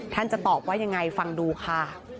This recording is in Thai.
จะตอบว่ายังไงฟังดูค่ะ